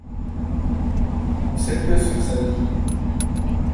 On en sait peu sur sa vie.